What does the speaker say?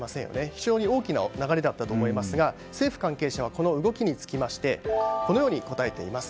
非常に大きな流れだったと思いますが政府関係者はこの動きについてこのように答えています。